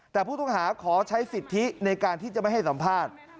แต่ผู้ต้องหาขอใช้สิทธิในการที่จะไม่ให้สัมภาษณ์